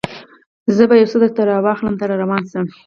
زه به یو څه درته راواخلم، ته در روان شه.